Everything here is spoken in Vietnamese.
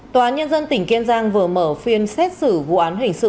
tòa án nhân dân tỉnh kiên giang vừa mở phiên xét xử vụ án hình sự